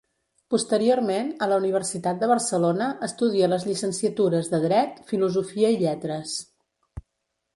Posteriorment, a la Universitat de Barcelona, estudia les llicenciatures de Dret, Filosofia i Lletres.